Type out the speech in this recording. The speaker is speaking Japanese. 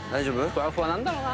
ふわふわなんだろうな。